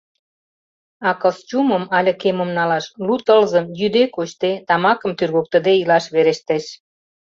А костюмым але кемым налаш лу тылзым йӱде-кочде, тамакым тӱргыктыде, илаш верештеш.